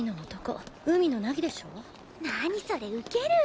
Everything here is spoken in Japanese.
何それウケる！